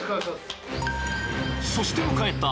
［そして迎えた］